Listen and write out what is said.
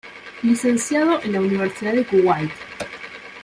Licenciado en la Universidad de Kuwait.